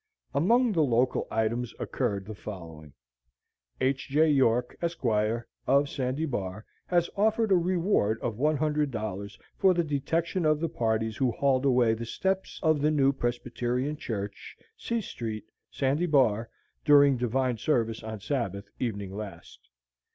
Among the local items occurred the following: "H. J. York, Esq., of Sandy Bar, has offered a reward of $100 for the detection of the parties who hauled away the steps of the new Presbyterian Church, C Street, Sandy Bar, during divine service on Sabbath evening last.